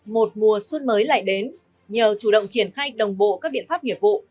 một mùa xuân mới lại đến nhờ chủ động triển khai đồng bộ các biện pháp nghiệp vụ